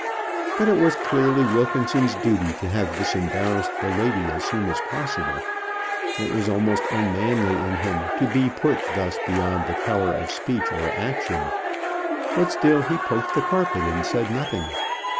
But it was clearly Wilkinson's duty to have disembarrassed the lady as soon as possible. It was almost unmanly in him to be put thus beyond the power of speech or action. But still he poked the carpet and said nothing.